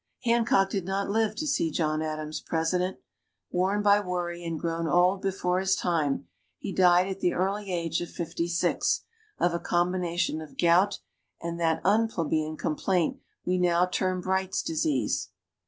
Hancock did not live to see John Adams President. Worn by worry, and grown old before his time, he died at the early age of fifty six, of a combination of gout and that unplebeian complaint we now term Bright's Disease.